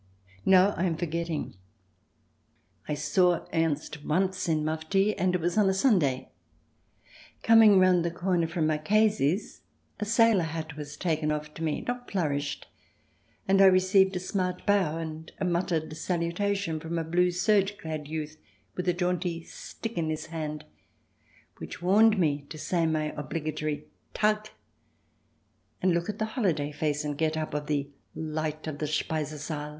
No, I am forgetting; I saw Ernst once in mufti, and it was on a Sunday, Coming round the corner from Marchesi's, a sailor hat was taken off to me, not flourished, and I received a smart bow and muttered salutation from a blue serge clad youth with a jaunty stick in his hand, which warned me to say my obligatory " Tag !" and look at the holiday face and get up of the Light of the Speisesaal.